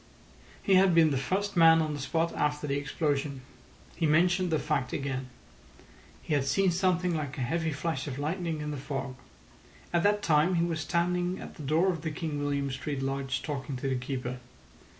He had been the first man on the spot after the explosion. He mentioned the fact again. He had seen something like a heavy flash of lightning in the fog. At that time he was standing at the door of the King William Street Lodge talking to the keeper.